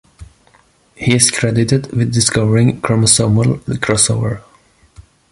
He is credited with discovering chromosomal crossover.